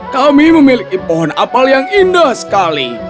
kami memiliki pohon apel yang indah sekali